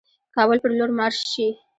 کابل پر لور مارش شي.